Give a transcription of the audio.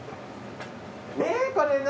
えこれ何？